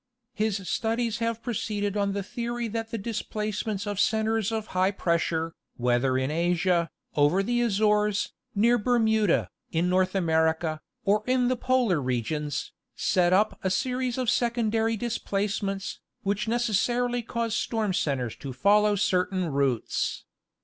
His studies have proceeded on the theory that the displacements of centres of high pressure, whether in Asia, over the Azores, near Ber muda, in North America, or in the Polar regions, set up a series of secondary displacements, which necessarily cause storm cen tres to follow certain routes.